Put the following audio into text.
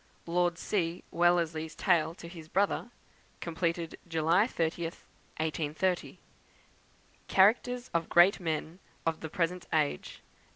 Lord C. Wellesley's Tale to his Brother; completed July 30th, 1830. Characters of Great Men of the Present Age, Dec.